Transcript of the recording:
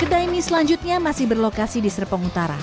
kedai mie selanjutnya masih berlokasi di serpong utara